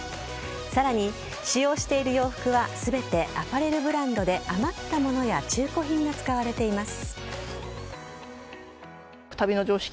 さらに使用している洋服は全てアパレルブランドで余ったものや中古品が使われています。